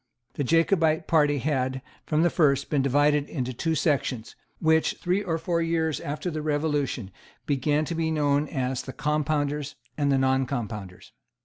The Jacobite party had, from the first, been divided into two sections, which, three or four years after the Revolution, began to be known as the Compounders and the Noncompounders.